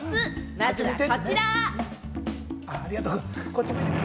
まずはこちら！